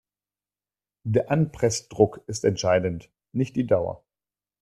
Der Anpressdruck ist entscheidend, nicht die Dauer.